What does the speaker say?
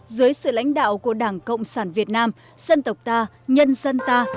dưới sự lãnh đạo của đảng cộng sản việt nam dân tộc ta nhân dân ta